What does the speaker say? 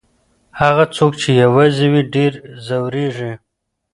هغه څوک چي يوازې وي ډېر ځوريږي.